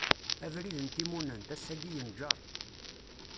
Abrid n timunent, ass-agi yenǧeṛ.